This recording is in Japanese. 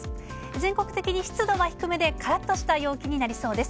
全国的に湿度は低めで、からっとした陽気になりそうです。